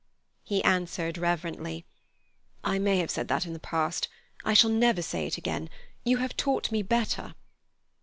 He answered reverently: "I may have said that in the past. I shall never say it again. You have taught me better."